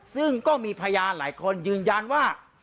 ซึ่งก็มีพยานหลายคนยืนยันว่า